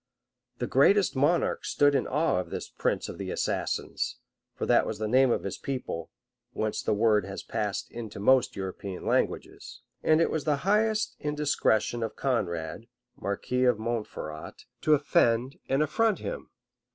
The greatest monarchs stood in awe of this prince of the assassins, (for that was the name of his people. whence the word has passed into most European languages,) and it was the highest indiscretion in Conrade, marquis of Montferrat, to offend and affront him.